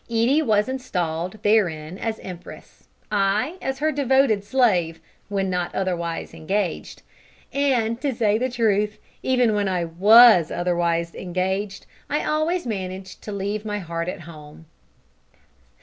Edie was installed therein as empress; I as her devoted slave when not otherwise engaged. And, to say truth, even when I was otherwise engaged I always managed to leave my heart at home.